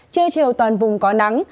chưa chiều toàn vùng có nắng